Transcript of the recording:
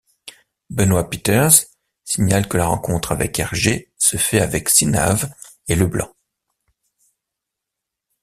Benoit Peeters signale que la rencontre avec Hergé se fait avec Sinave et Leblanc.